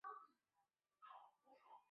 崇祯十二年庚辰科联捷进士。